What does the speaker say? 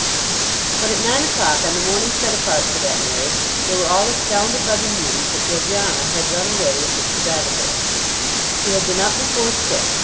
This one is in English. But at nine o'clock on the morning set apart for that marriage, they were all astounded by the news that Georgiana had run away with Mr. Batherbolt. She had been up before six.